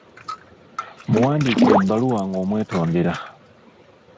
Muwandiikire ebbaluwa ng’omwetondera.